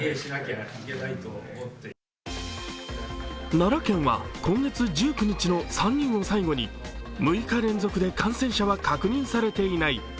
奈良県は今月１９日の３人を最後に６日連続で感染者は確認されていない。